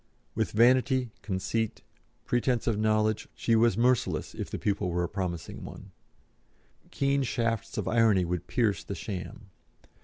With vanity, conceit, pretence of knowledge, she was merciless, if the pupil were a promising one; keen shafts of irony would pierce the sham.